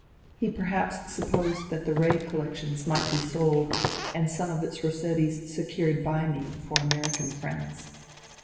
He perhaps supposed that the Rae collection might be sold, and some of its Bossettis secured by me for American friends.